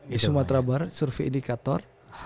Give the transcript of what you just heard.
di sumatera barat survei indikator